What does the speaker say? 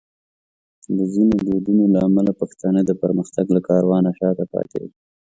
د ځینو دودونو له امله پښتانه د پرمختګ له کاروانه شاته پاتې دي.